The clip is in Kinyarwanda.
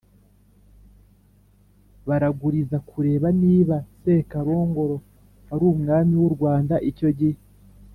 baraguriza kureba niba sekarongoro wari umwami w’u rwanda icyo gihe